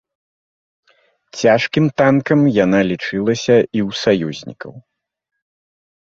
Цяжкім танкам яна лічылася і ў саюзнікаў.